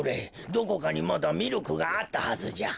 どこかにまだミルクがあったはずじゃ。